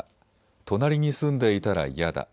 隣に住んでいたら嫌だ。